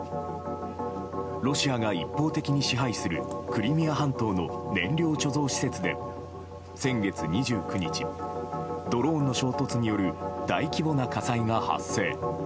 ロシアが一方的に支配するクリミア半島の燃料貯蔵施設で先月２９日ドローンの衝突による大規模な火災が発生。